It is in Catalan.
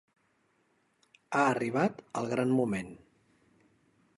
Ha arribat el gran moment.